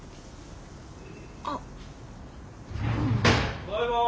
ただいま。